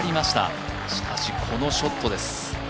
しかしこのショットです。